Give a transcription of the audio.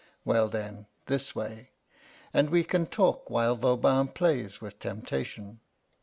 Well, then, this way, and we can talk while Voban plays with temptation."